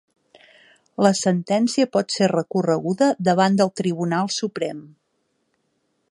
La sentència pot ser recorreguda davant del Tribunal Suprem.